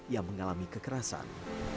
yang mengalami kekerasan